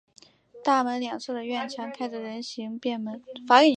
大门两侧的院墙开着人行便门。